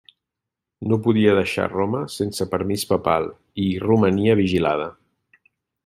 No podia deixar Roma sense permís papal i hi romania vigilada.